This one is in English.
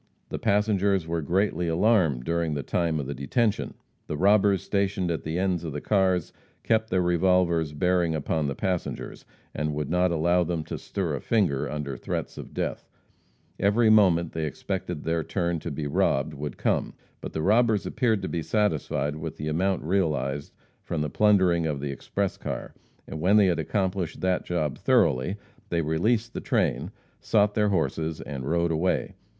The passengers were greatly alarmed during the time of the detention. The robbers stationed at the ends of the cars kept their revolvers bearing upon the passengers, and would not allow them to stir a finger under threats of death. Every moment they expected their turn to be robbed would come. But the robbers appeared to be satisfied with the amount realized from the plundering of the express car, and when they had accomplished that job thoroughly, they released the train, sought their horses and rode away.